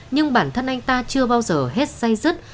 nhưng bản thân anh ta chưa bao giờ hết say rứt